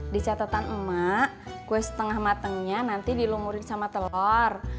di catatan emak kue setengah matengnya nanti dilumurin sama telur